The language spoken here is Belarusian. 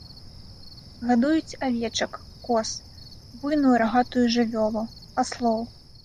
Гадуюць авечак, коз, буйную рагатую жывёлу, аслоў.